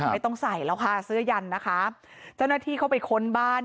ไม่ต้องใส่แล้วค่ะเสื้อยันนะคะเจ้าหน้าที่เข้าไปค้นบ้าน